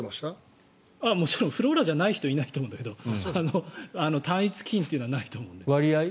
もちろんフローラじゃない人はいないと思うんだけど単一菌というのはないと思うので。